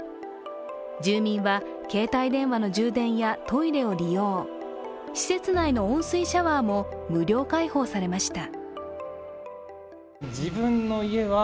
住民は携帯電話の充電やトイレを利用施設内の温水シャワーも無料開放されました。